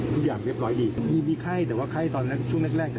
ทุกอย่างเรียบร้อยดีมีใคร้แต่เวลาตอนลักที่ชุดมากแรก